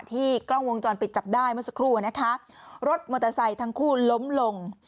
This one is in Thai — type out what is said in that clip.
กล้องวงจรปิดจับได้เมื่อสักครู่อะนะคะรถมอเตอร์ไซค์ทั้งคู่ล้มลง